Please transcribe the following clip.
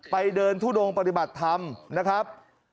ไปเดินทุดงปฏิบัติธรรมนะครับ